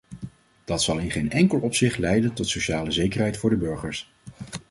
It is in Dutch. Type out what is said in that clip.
Dat zal in geen enkel opzicht leiden tot sociale zekerheid voor de burgers.